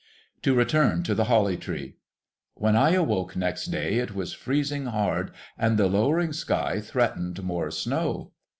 To return to the Holly Tree. When I awoke next day, it was freezing hard, and the lowering sky threatened more snow.